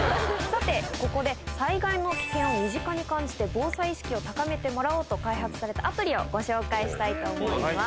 さてここで災害の危険を身近に感じて防災意識を高めてもらおうと開発されたアプリをご紹介したいと思います。